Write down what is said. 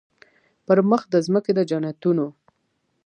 پر مخ د مځکي د جنتونو